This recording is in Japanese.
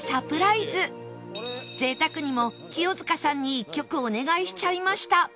贅沢にも清塚さんに一曲お願いしちゃいました